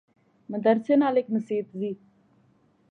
مدرسے نال اگے مسیت زی